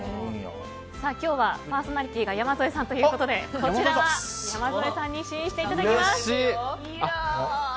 今日はパーソナリティーが山添さんということでこちらは山添さんに試飲していただきます。